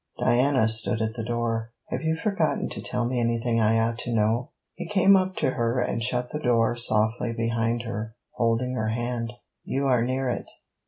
Diana stood at the door. 'Have you forgotten to tell me anything I ought to know?' He came up to her and shut the door softly behind her, holding her hand. 'You are near it.